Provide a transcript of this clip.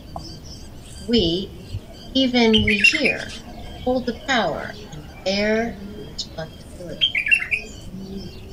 We, even we here, hold the power and bear the responsibility.